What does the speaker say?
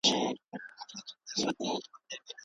ښځه د کور فرشونه وچ کړل.